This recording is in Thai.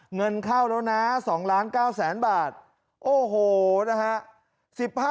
เงินเข้าแล้วนะ๒๙๐๐๐๐๐บาทโอ้โหนะฮะ